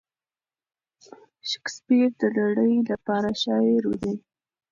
شکسپیر د نړۍ لپاره شاعر دی.